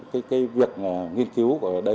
cái việc nghiên cứu